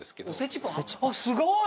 あっすごい！